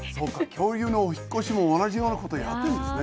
恐竜のお引っ越しも同じようなことやってんですね。